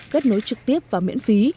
kết nối trực tiếp và miễn phí